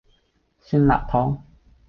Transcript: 酸辣湯